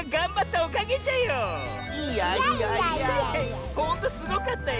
ほんとすごかったよ。